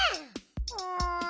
うん。